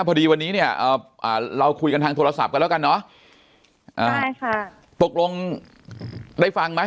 พอดีวันนี้เนี่ยเราคุยกันทางโทรศัพท์กันแล้วกันเนอะอ่าใช่ค่ะตกลงได้ฟังไหม